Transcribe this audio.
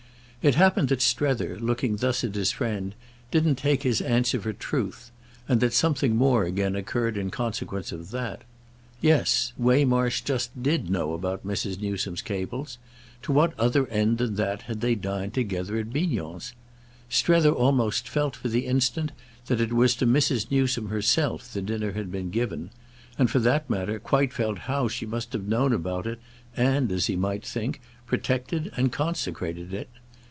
It happened that Strether, looking thus at his friend, didn't take his answer for truth—and that something more again occurred in consequence of that. Yes—Waymarsh just did know about Mrs. Newsome's cables: to what other end than that had they dined together at Bignon's? Strether almost felt for the instant that it was to Mrs. Newsome herself the dinner had been given; and, for that matter, quite felt how she must have known about it and, as he might think, protected and consecrated it.